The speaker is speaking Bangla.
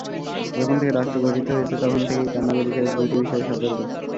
যখন থেকে রাষ্ট্র গঠিত হয়েছে, তখন থেকেই তার নাগরিকেরা দুটি বিষয়ে সতর্ক।